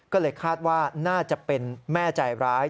ก็เลยคาดว่าน่าจะเป็นแม่ใจร้าย